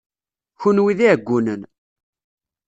Kenwi d iɛeggunen.